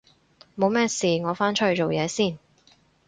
冇咩事我返出去做嘢先